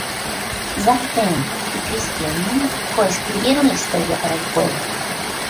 Zak Penn y Chris Claremont co-escribieron la historia para el juego.